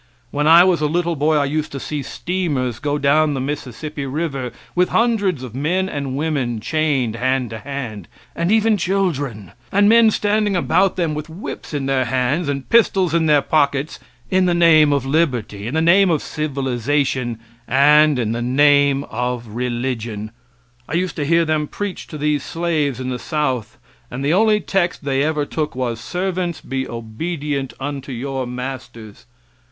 When I was a little boy I used to see steamers go down the Mississippi river with hundreds of men and women chained hand to hand, and even children, and men standing about them with whips in their hands and pistols in their pockets in the name of liberty, in the name of civilization and in the name of religion! I used to hear them preach to these slaves in the South and the only text they ever took was "Servants, be obedient unto your masters."